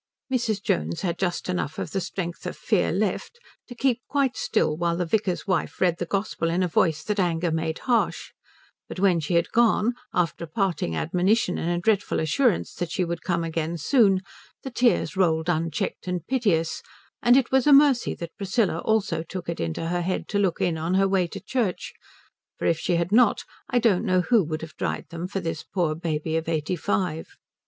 Mrs. Jones had just enough of the strength of fear left to keep quite still while the vicar's wife read the Gospel in a voice that anger made harsh; but when she had gone, after a parting admonition and a dreadful assurance that she would come again soon, the tears rolled unchecked and piteous, and it was a mercy that Priscilla also took it into her head to look in on her way to church, for if she had not I don't know who would have dried them for this poor baby of eighty five.